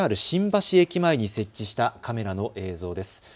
ＪＲ新橋駅前に設置したカメラの映像です。